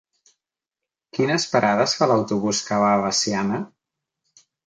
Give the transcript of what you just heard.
Quines parades fa l'autobús que va a Veciana?